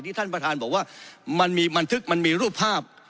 ท่านประธานบอกว่ามันมีบันทึกมันมีรูปภาพ